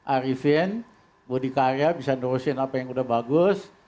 arivin bodhi karya bisa nurusin apa yang udah bagus